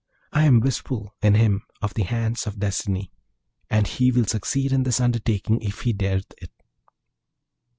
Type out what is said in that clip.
I am wistful in him of the hand of Destiny, and he will succeed in this undertaking if he dareth it.'